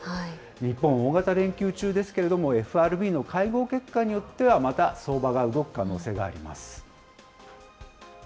日本は大型連休中ですけれども、ＦＲＢの会合結果によってはまた相場が動く可能性があります。